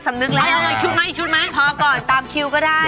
เอาอีกชุดไหมตามคิวก็ได้